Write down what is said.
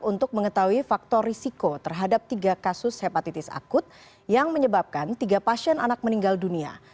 untuk mengetahui faktor risiko terhadap tiga kasus hepatitis akut yang menyebabkan tiga pasien anak meninggal dunia